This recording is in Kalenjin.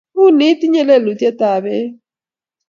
Uni itinye lelutietab eet